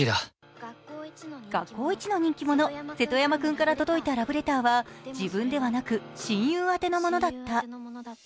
学校一の人気者・瀬戸山君から届いたラブレターは自分ではなく親友宛てのものだった。